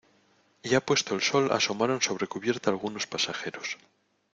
ya puesto el sol asomaron sobre cubierta algunos pasajeros.